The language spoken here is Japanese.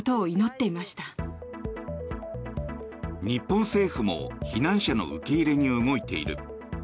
日本政府も避難者の受け入れに動いている。